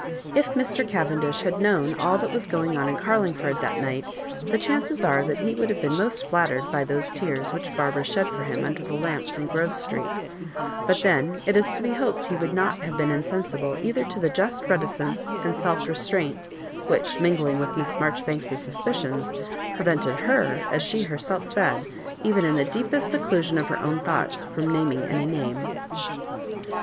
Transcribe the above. If Mr. Caven Digitized by VjOOQIC 64 loss MABJOaiBANKa dish had known all that was going on in Carling ford that night, the chances are that he woiud have been most flattered bj those tears which Barbara shed for him under the lamps in Qrove Street; but then it is to be hoped be would not have been insensible either to the just reticence and self restraint which, mingling with Miss Marjoribanks's suspicions, prevented her, as she herself said, even in the deepest seclusion of her own thoughts, fix>m naming any name.